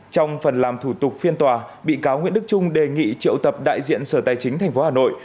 trong phần làm thủ tục phiên tòa bị cáo nguyễn đức trung đề nghị triệu tập đại diện sở tài chính tp hà nội